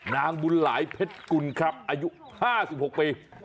นางบุญหลายเพชรกุลครับอายุ๕๖ปี